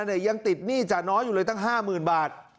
เธอยังติดหนี้จ่าน้อยอยู่เลยตั้งห้าหมื่นบาท